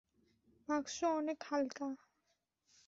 বাক্স অনেক হালকা।